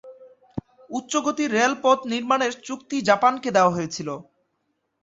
উচ্চগতির রেলপথ নির্মাণের চুক্তি জাপানকে দেওয়া হয়েছিল।